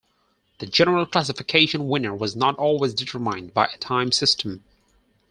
The general classification winner was not always determined by a time system.